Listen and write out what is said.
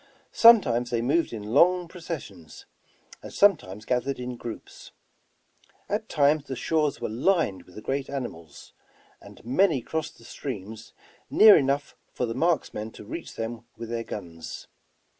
Sometimes they moved in long processions, and sometimes gath ered in groups. At times the shores were lined with the great animals, and many crossed the streams near enough for the marksmen to reach them with their guns.